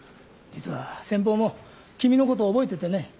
実は先方も君のことを覚えててね。